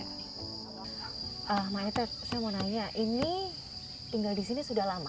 mbak ete saya mau nanya ini tinggal di sini sudah lama